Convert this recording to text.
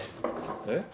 えっ？